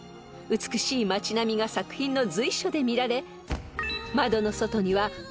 ［美しい街並みが作品の随所で見られ窓の外にはパリのシンボル